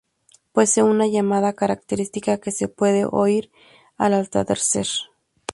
Posee una llamada característica que se puede oír al atardecer.